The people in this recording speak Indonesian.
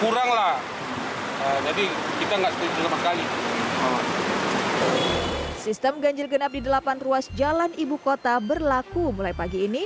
ada enggak setuju sekali sistem ganjil genap di delapan ruas jalan ibukota berlaku mulai pagi ini